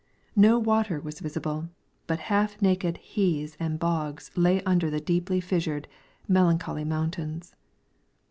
No water was visible, but half naked heaths and bogs lay under the deeply fissured, melancholy mountains.